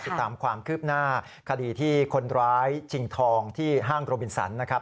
ติดตามความคืบหน้าคดีที่คนร้ายชิงทองที่ห้างโรบินสันนะครับ